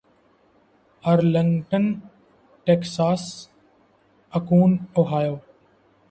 Arlington Texas Akron Ohio